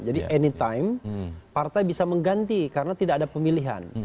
jadi anytime partai bisa mengganti karena tidak ada pemilihan